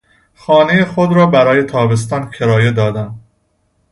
خانهی خود را برای تابستان کرایه دادم.